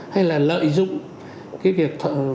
hay là lợi dụng cái việc